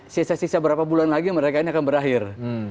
sisa sisa berapa bulan lagi mereka ini akan berakhir